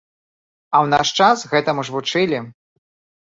А ў наш час гэтаму ж вучылі.